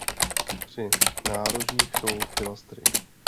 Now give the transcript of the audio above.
Při nárožích jsou pilastry.